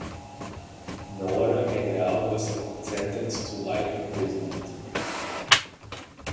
Noora Mengal was sentenced to life imprisonment.